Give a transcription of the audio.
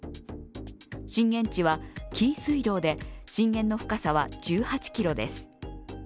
震源地は紀伊水道で、震源の深さは１８ｋｍです。